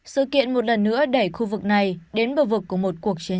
sự kiện một lần nữa đẩy khu vực này đến bờ vực của một cuộc tấn công